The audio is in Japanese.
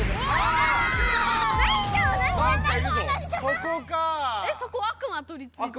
そこかあ。